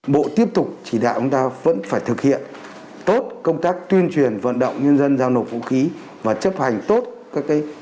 bộ tiếp tục chỉ đạo chúng ta vẫn phải thực hiện tốt công tác tuyên truyền vận động nhân dân giao nộp vũ khí và chấp hành tốt các cái